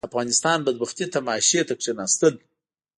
د افغانستان بدبختي تماشې ته کښېناستل.